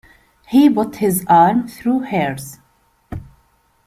He put his arm through hers.